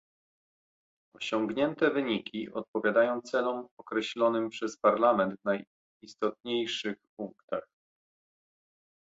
Osiągnięte wyniki odpowiadają celom określonym przez Parlament w najistotniejszych punktach